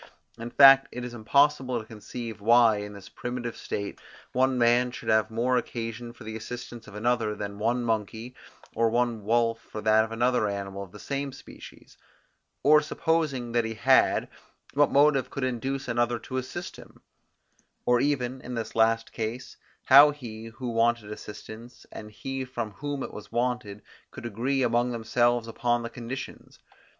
In fact, it is impossible to conceive, why, in this primitive state, one man should have more occasion for the assistance of another, than one monkey, or one wolf for that of another animal of the same species; or supposing that he had, what motive could induce another to assist him; or even, in this last case, how he, who wanted assistance, and he from whom it was wanted, could agree among themselves upon the conditions.